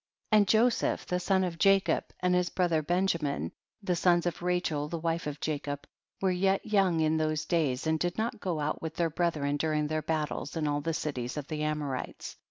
5. And Joseph the son of Jacob, 126 THE BOOK OF JASHER. and his brother Benjamin, the sons of Rachel the wife of Jacob, were yet young in those days, and did not go out with their brethren during their battles in all the cities of the Am orites.